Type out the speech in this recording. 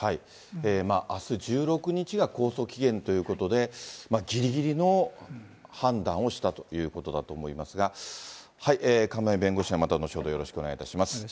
あす１６日が控訴期限ということで、ぎりぎりの判断をしたということだと思いますが、亀井弁護士にはまた後ほどよろしくお願いいたします。